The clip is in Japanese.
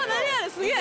すげえ！